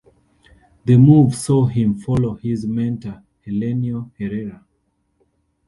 The move saw him follow his mentor Helenio Herrera.